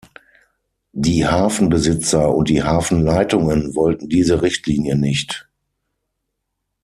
Die Hafenbesitzer und die Hafenleitungen wollten diese Richtlinie nicht.